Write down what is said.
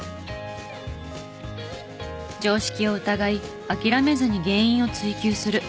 常識を疑い諦めずに原因を追究する。